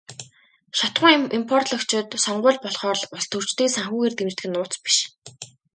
Шатахуун импортлогчид сонгууль болохоор л улстөрчдийг санхүүгээр дэмждэг нь нууц биш.